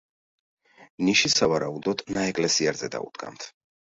ნიში სავარაუდოდ ნაეკლესიარზე დაუდგამთ.